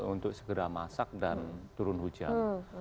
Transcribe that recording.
untuk segera masak dan turun hujan